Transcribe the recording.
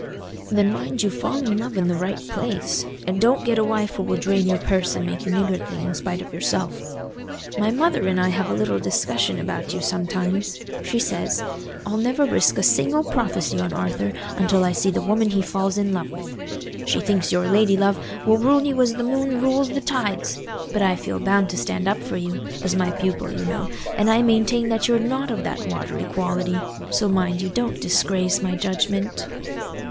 "Then mind you fall in love in the right place, and don't get a wife who will drain your purse and make you niggardly in spite of yourself. My mother and I have a little discussion about you sometimes: she says, 'I'll never risk a single prophecy on Arthur until I see the woman he falls in love with.' She thinks your lady love will rule you as the moon rules the tides. But I feel bound to stand up for you, as my pupil you know, and I maintain that you're not of that watery quality. So mind you don't disgrace my judgment."